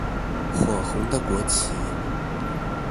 火紅的國旗